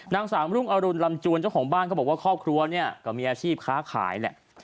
สามรุ่งอรุณลำจวนเจ้าของบ้านเขาบอกว่าครอบครัวเนี่ยก็มีอาชีพค้าขายแหละ